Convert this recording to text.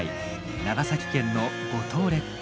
長崎県の五島列島。